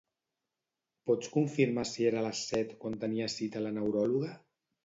Pots confirmar si era a les set quan tenia cita a la neuròloga?